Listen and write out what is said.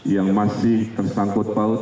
yang masih tersangkut paut